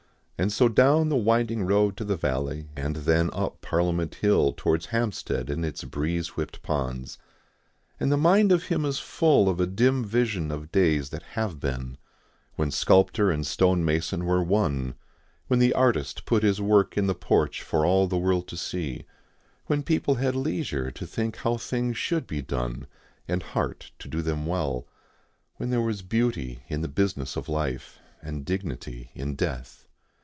And so down the winding road to the valley, and then up Parliament Hill towards Hampstead and its breeze whipped ponds. And the mind of him is full of a dim vision of days that have been, when sculptor and stonemason were one, when the artist put his work in the porch for all the world to see, when people had leisure to think how things should be done and heart to do them well, when there was beauty in the business of life and dignity in death.